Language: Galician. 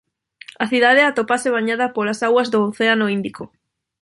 A cidade atópase bañada polas augas do océano Índico.